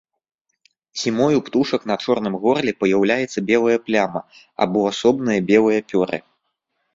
Зімой у птушак на чорным горле паяўляецца белая пляма або асобныя белыя пёры.